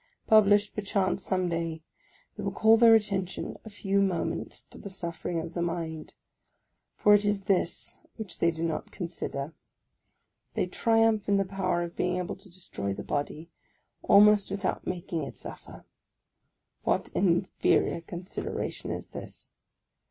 Published, perchance, some day, they will call their attention a few moments to the suffering of the mind; for it is this which they do not con sider. They triumph in the power of being able to destroy the body, almost without making it suffer. What an inferior consideration is this!